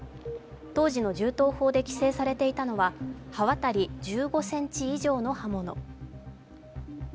当時の銃刀法で規制されていたのは刃渡り１５ｃｍ以上の刃物。